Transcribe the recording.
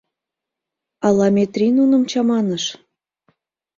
Ала Метрий нуным чаманыш?